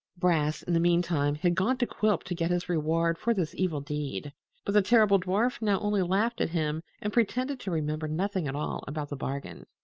Brass in the meantime had gone to Quilp to get his reward for this evil deed, but the terrible dwarf now only laughed at him and pretended to remember nothing at all about the bargain.